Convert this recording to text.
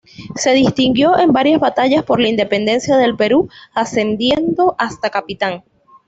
Se distinguió en varias batallas por la independencia del Perú, ascendiendo hasta capitán.